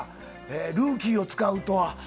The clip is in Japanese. ルーキーを使うとは。